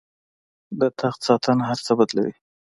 د تخت ساتنه هر څه بدلوي.